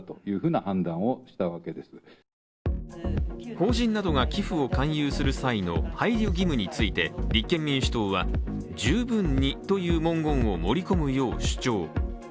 法人などが寄付を勧誘する際の配慮義務について立憲民主党は、「十分に」という文言を盛り込むよう主張。